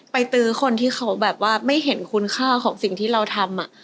ตื้อคนที่เขาแบบว่าไม่เห็นคุณค่าของสิ่งที่เราทำ